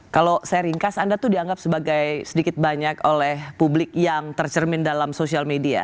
kalau saya ringkas anda itu dianggap sebagai sedikit banyak oleh publik yang tercermin dalam sosial media